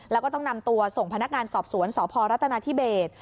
แล้วก็ต้องนำตัวส่งพนักงานสอบสวนสพรัฐนาธิเบส